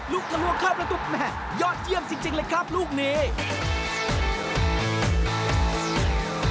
ทะลวงเข้าประตูแม่ยอดเยี่ยมจริงเลยครับลูกนี้